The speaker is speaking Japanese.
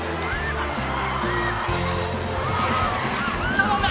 頼んだ！